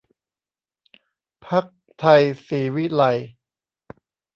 พรรคไทยศรีวิไลย์